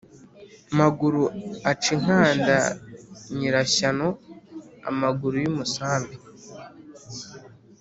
Maguru aca inkanda nyirashyano.-Amaguru y'umusambi.